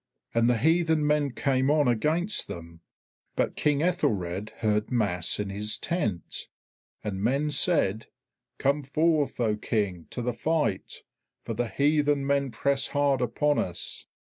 And the heathen men came on against them. But King Aethelred heard mass in his tent. And men said, "Come forth, O King, to the fight, for the heathen men press hard upon us."